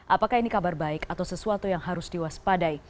apakah ini kabar baik atau sesuatu yang harus diwaspadai